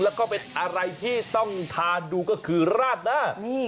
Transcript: และก็เป็นอะไรที่ต้องทานดูก็คือราดน่ะครับกำลังผัดเส้นเลยค่ะ